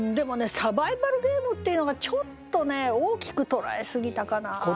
「サバイバルゲーム」っていうのがちょっとね大きく捉えすぎたかなという。